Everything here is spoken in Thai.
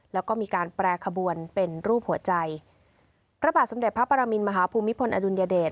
แล้วก็มีการแปรขบวนเป็นรูปหัวใจพระบาทสมเด็จพระปรมินมหาภูมิพลอดุลยเดช